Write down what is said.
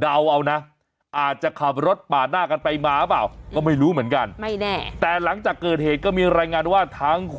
เดาเอานะอาจจะขับรถป่าหน้ากันไปมาหรือเปล่าก็ไม่รู้เหมือนกันไม่แน่แต่หลังจากเกิดเหตุก็มีรายงานว่าทั้งคู่นะครับ